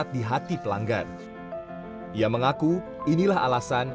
ditemani anak kelima